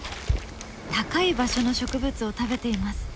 高い場所の植物を食べています。